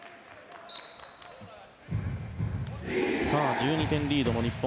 １２点リードの日本